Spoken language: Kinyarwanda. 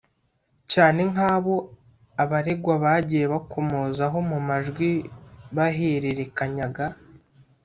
cyane nk’abo abaregwa bagiye bakomozaho mu majwi bahererekanyaga